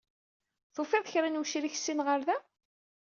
Tufiḍ kra n wecrik syin ɣer da?